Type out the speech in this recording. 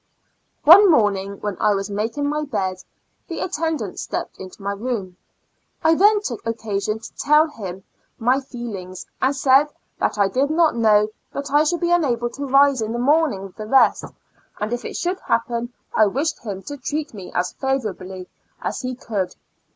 One morning when I was making my bed, the attendant stepped into my room. I then took occasion to tell him my feel ings, and said that I did not know but I should be unable to rise in the morning with the rest, and if it should happen I wished him to treat me as favorably as he could.